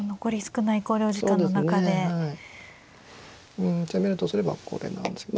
うん攻めるとすればこれなんですけど。